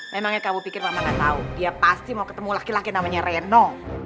memangnya kamu pikir mama gak tahu dia pasti mau ketemu laki laki namanya reno